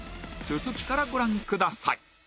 続きからご覧ください